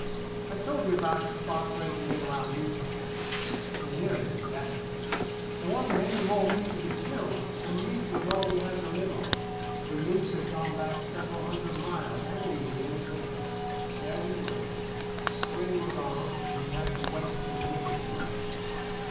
I told you about Spot breaking into our meat cache. It was nearly the death of us. There wasn't any more meat to be killed, and meat was all we had to live on. The moose had gone back several hundred miles and the Indians with them. There we were. Spring was on, and we had to wait for the river to break.